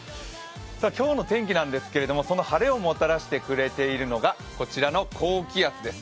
今日の天気なんですけど、その晴れをもたらしてくれているのがこちらの高気圧です。